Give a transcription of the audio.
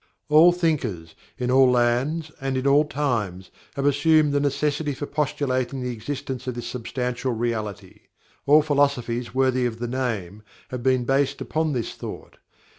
All thinkers, in all lands and in all times, have assumed the necessity for postulating the existence of this Substantial Reality. All philosophies worthy of the name have been based upon this thought.